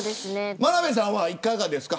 眞鍋さんは、いかがですか。